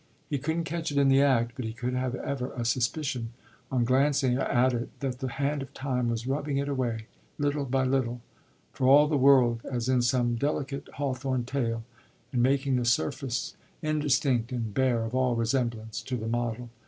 He couldn't catch it in the act, but he could have ever a suspicion on glancing at it that the hand of time was rubbing it away little by little for all the world as in some delicate Hawthorne tale and making the surface indistinct and bare of all resemblance to the model.